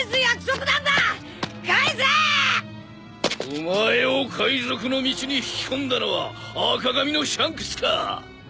お前を海賊の道に引き込んだのは赤髪のシャンクスか！